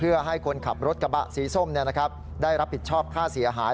เพื่อให้คนขับรถกระบะสีส้มได้รับผิดชอบค่าเสียหาย